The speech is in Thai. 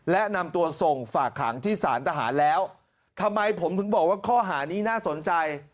และนำตัวส่งฝากขังที่สารทหารแล้วทำไมผมถึงบอกว่าข้อหานี้น่าสนใจ